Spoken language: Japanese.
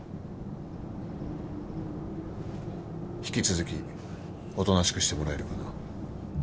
引き続きおとなしくしてもらえるかな。